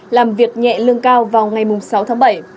làm việc nhẹ lương cao vào ngày sáu tháng bảy